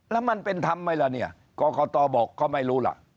แล้วมันเป็นทำไม่ล่ะเนี่ยก็เขาตอบอกเขาไม่รู้ล่ะ